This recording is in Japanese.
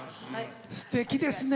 すてきですね。